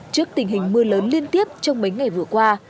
trước tình hình mưa lớn liên tiếp trong mấy ngày vừa qua